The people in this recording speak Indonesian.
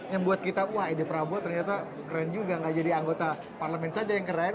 yang buat kita wah ide prabowo ternyata keren juga gak jadi anggota parlemen saja yang keren